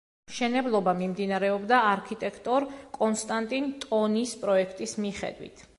მშენებლობა მიმდინარეობდა არქიტექტორ კონსტანტინ ტონის პროექტის მიხედვით.